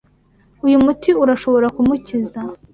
Uyu muti urashobora kumukiza.